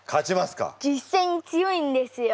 実戦に強いんですよ